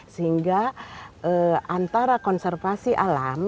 sehingga antara konservasi alam